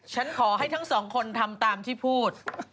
ฉันขอให้ทั้งสองคนทำตามที่พูด